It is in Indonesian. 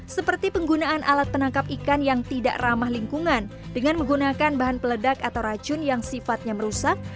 seperti penggunaan alat penangkap ikan yang tidak ramah lingkungan dengan menggunakan bahan peledak atau racun yang sifatnya merusak